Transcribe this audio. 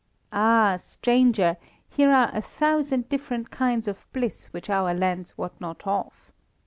Ah! stranger, here are a thousand different kinds of bliss which other lands wot not of.